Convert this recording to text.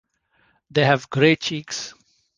They have gray cheeks.